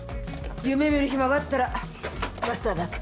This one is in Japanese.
夢みる暇があったらマスターバック。